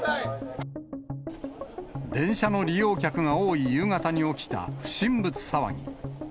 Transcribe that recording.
電車の利用客が多い夕方に起きた不審物騒ぎ。